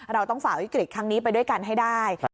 เราต้องฝ่าวิกฤตครั้งนี้ไปด้วยกันให้ได้